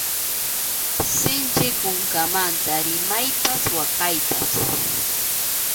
Sinchi kunkamanta rimaypas waqaypas.